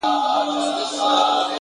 زحمت د بریا دروازه پرانیزي,